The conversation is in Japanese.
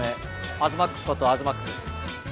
東ＭＡＸこと東ＭＡＸです。